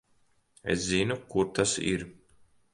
Es zinu, kur tas ir.